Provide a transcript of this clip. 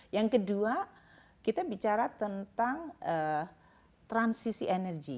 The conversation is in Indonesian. yang kedua kita bicara tentang transisi energi